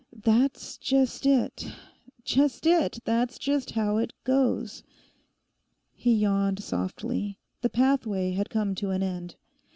'That's just it—just it; that's just how it goes!'... He yawned softly; the pathway had come to an end.